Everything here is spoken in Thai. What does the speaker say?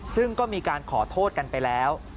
ซึ่งก็มีการขอโทษกันไปแล้ว